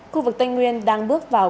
khu vực tây nguyên đang bước vào